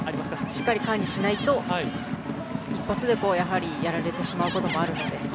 しっかり管理しないと一発でやられてしまうことがあるので。